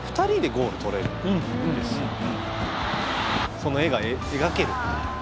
その絵が描けるっていう。